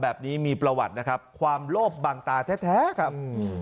แบบนี้มีประวัตินะครับความโลภบังตาแท้ครับ